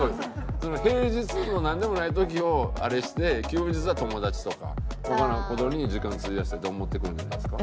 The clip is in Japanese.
平日となんでもない時をあれして休日は友達とか他の事に時間費やしたいって思ってくるんじゃないですか？